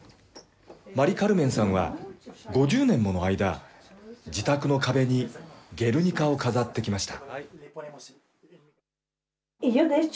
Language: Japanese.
マリ・カルメンさんは５０年もの間、自宅の壁に、ゲルニカを飾ってきました。